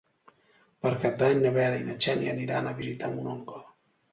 Per Cap d'Any na Vera i na Xènia aniran a visitar mon oncle.